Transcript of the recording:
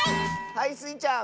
はいスイちゃん！